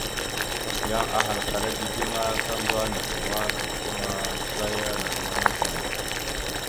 Yan ahalkala dideŋ a, tandzaba neke ma, dawəfaŋa adzaya naləmana gwala.